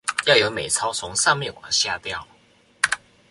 要有美鈔從上面往下掉